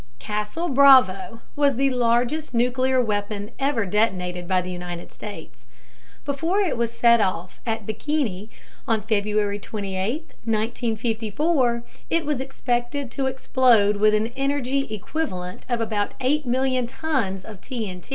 "Castle/Bravo" was the largest nuclear weapon ever detonated by the United States. Before it was set off at Bikini on February 28, 1954, it was expected to explode with an energy equivalent of about 8 million tons of TNT.